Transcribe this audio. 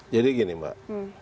jadi gini mbak